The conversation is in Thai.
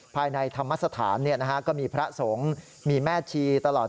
ภายในธรรมสถานก็มีพระสงฆ์มีแม่ชีตลอด